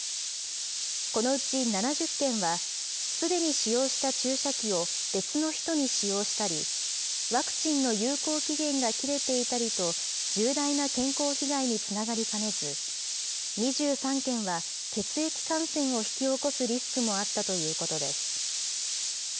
このうち７０件は、すでに使用した注射器を別の人に使用したり、ワクチンの有効期限が切れていたりと、重大な健康被害につながりかねず、２３件は、血液感染を引き起こすリスクもあったということです。